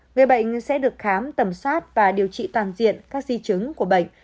người bệnh sẽ được khám tầm soát và điều trị toàn diện các di chứng của bệnh